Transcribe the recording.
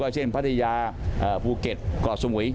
เช่นพระเทศพูเก็ตกรอบสมุย